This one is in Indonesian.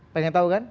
pengen tahu kan